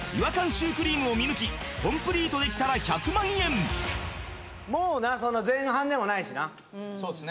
シュークリームを見抜きコンプリートできたら１００万円もうなそんな前半でもないしなそうですね